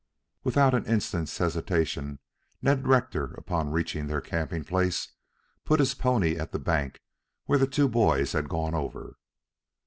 Without an instant's hesitation, Ned Rector, upon reaching their camping place, put his pony at the bank where the two boys had gone over.